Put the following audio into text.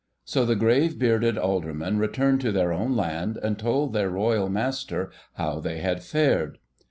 So the grave bearded aldermen returned to their own land, and told their Royal Master how they had fared.